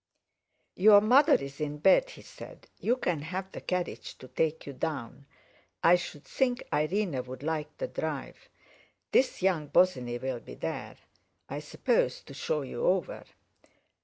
"Your mother's in bed," he said; "you can have the carriage to take you down. I should think Irene'd like the drive. This young Bosinney'll be there, I suppose, to show you over."